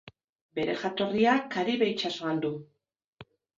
Bere jatorria Karibe itsasoan du.